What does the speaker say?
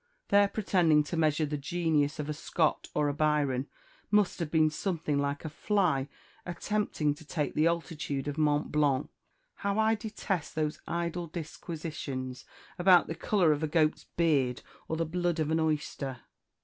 Their pretending to measure the genius of a Scott or a Byron must have been something like a fly attempting to take the altitude of Mont Blanc. How I detest those idle disquisitions about the colour of a goat's beard, or the blood of an oyster."'